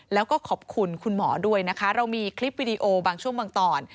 แล้วก็ขอบคุณคุณหมอด้วยนะคะเรามีคลิปวิดีโอบางช่วงบางตอน